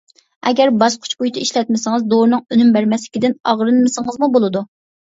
ئەگەر باسقۇچ بويىچە ئىشلەتمىسىڭىز، دورىنىڭ ئۈنۈم بەرمەسلىكىدىن ئاغرىنمىسىڭىزمۇ بولىدۇ.